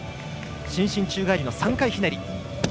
伸身宙返りの３回ひねり。